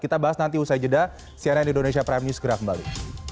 kita bahas nanti usai jeda cnn indonesia prime news segera kembali